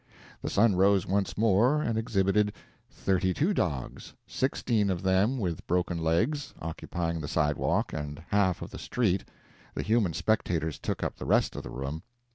The sun rose once more, and exhibited thirty two dogs, sixteen of them with broken legs, occupying the sidewalk and half of the street; the human spectators took up the rest of the room.